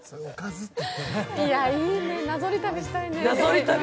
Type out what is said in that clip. いやいいね、なぞり旅したいね。